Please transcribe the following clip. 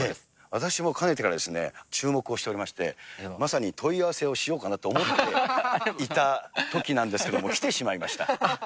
私もかねてからですね、注目をしておりまして、まさに問い合わせをしようかなと思っていたときなんですけれども、来てしまいました。